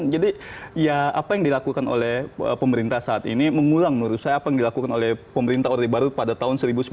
jadi apa yang dilakukan oleh pemerintah saat ini mengulang menurut saya apa yang dilakukan oleh pemerintah orde baru pada tahun seribu sembilan ratus sembilan puluh satu